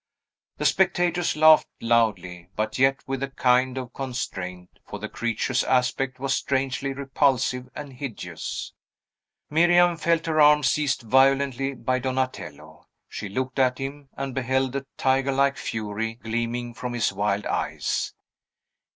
The spectators laughed loudly, but yet with a kind of constraint; for the creature's aspect was strangely repulsive and hideous. Miriam felt her arm seized violently by Donatello. She looked at him, and beheld a tigerlike fury gleaming from his wild eyes.